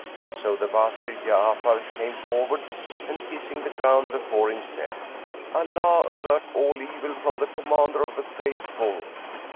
So the Wazir Ja'afar came forward and kissing the ground before him, said, "Allah avert all evil from the Commander of the Faithful!"